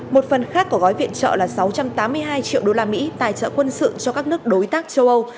một phần khác của gói viện trợ là sáu trăm tám mươi hai triệu đô la mỹ tài trợ quân sự cho các nước đối tác châu âu